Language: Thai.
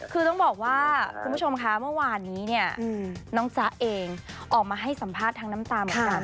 คือต้องบอกว่าคุณผู้ชมคะเมื่อวานนี้เนี่ยน้องจ๊ะเองออกมาให้สัมภาษณ์ทั้งน้ำตาเหมือนกัน